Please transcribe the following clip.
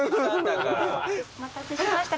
お待たせしました。